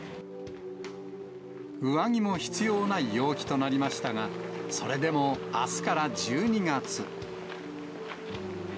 上着も必要ない陽気となりましたが、それでもあすから１２月。